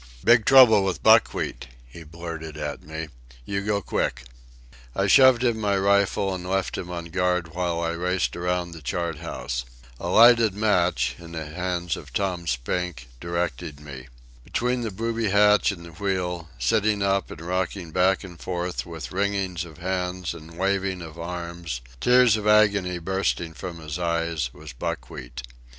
"Big trouble with Buckwheat," he blurted at me. "You go quick." I shoved him my rifle and left him on guard while I raced around the chart house. A lighted match, in the hands of Tom Spink, directed me. Between the booby hatch and the wheel, sitting up and rocking back and forth with wringings of hands and wavings of arms, tears of agony bursting from his eyes, was Buckwheat.